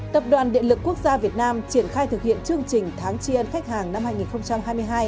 tập đoàn điện lực quốc gia việt nam triển khai thực hiện chương trình tháng tri ân khách hàng năm hai nghìn hai mươi hai